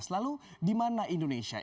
lalu dimana indonesia